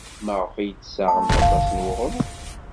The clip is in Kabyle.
Maɣef ay d-tessaɣemt aṭas n uɣrum?